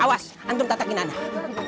awas antum tatakin anak